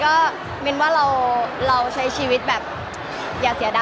มันเป็นเรื่องน่ารักที่เวลาเจอกันเราต้องแซวอะไรอย่างเงี้ย